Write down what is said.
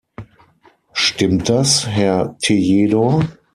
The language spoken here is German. Stimmt das, Herr Tejedor?